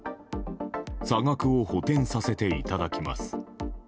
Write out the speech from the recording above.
差額を補填させていただきます。